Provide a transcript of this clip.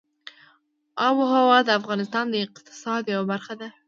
آب وهوا د افغانستان د اقتصاد یوه برخه ده.